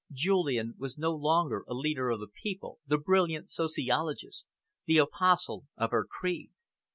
Julian was no longer a leader of the people, the brilliant sociologist, the apostle of her creed.